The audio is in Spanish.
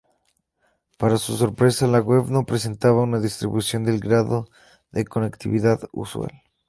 Para su sorpresa, la web no presentaba una distribución del grado de conectividad usual.